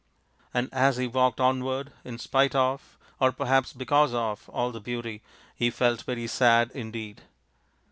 And as he walked onward, in spite of, or perhaps because of, all the beauty, he felt very sad indeed.